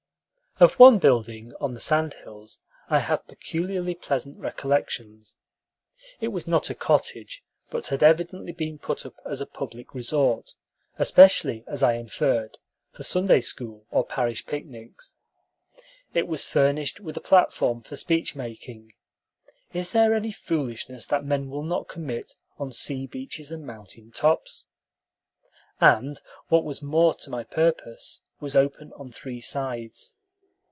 Of one building on the sand hills I have peculiarly pleasant recollections. It was not a cottage, but had evidently been put up as a public resort; especially, as I inferred, for Sunday school or parish picnics. It was furnished with a platform for speech making (is there any foolishness that men will not commit on sea beaches and mountain tops?), and, what was more to my purpose, was open on three sides.